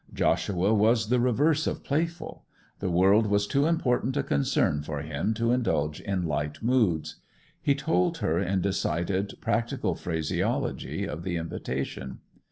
Joshua was the reverse of playful; the world was too important a concern for him to indulge in light moods. He told her in decided, practical phraseology of the invitation.